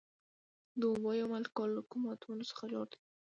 د اوبو یو مالیکول له کومو اتومونو څخه جوړ دی